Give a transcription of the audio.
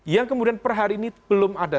yang kemudian per hari ini belum ada